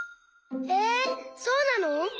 えそうなの？